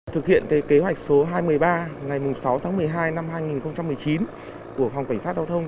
thực hiện kế hoạch số hai mươi ba ngày sáu tháng một mươi hai năm hai nghìn một mươi chín của phòng cảnh sát giao thông